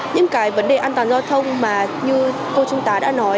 những cái vấn đề an toàn giao thông mà như cô chúng ta đã nói